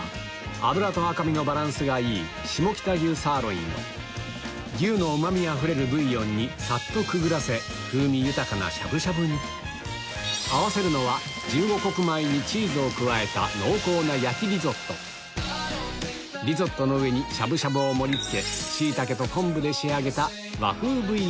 脂と赤身のバランスがいい牛のうまみあふれるブイヨンにさっとくぐらせ風味豊かなしゃぶしゃぶに合わせるのはチーズを加えたリゾットの上にしゃぶしゃぶを盛り付けすごい！